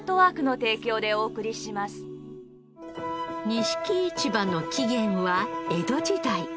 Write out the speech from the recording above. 錦市場の起源は江戸時代。